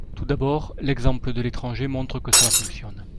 Tout d’abord, l’exemple de l’étranger montre que cela fonctionne.